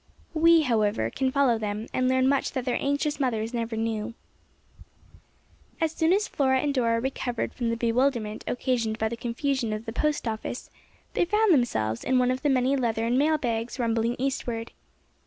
We, however, can follow them and learn much that their anxious mothers never knew. As soon as Flora and Dora recovered from the bewilderment occasioned by the confusion of the post office, they found themselves in one of the many leathern mail bags rumbling Eastward.